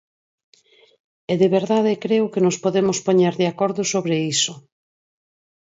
E de verdade, creo que nos podemos poñer de acordo sobre iso.